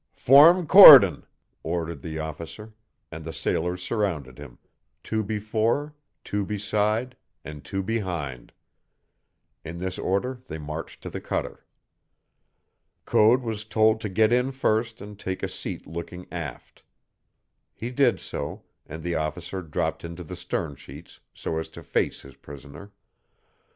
"Form cordon!" ordered the officer, and the sailors surrounded him two before, two beside, and two behind. In this order they marched to the cutter. Code was told to get in first and take a seat looking aft. He did so, and the officer dropped into the stern sheets so as to face his prisoner.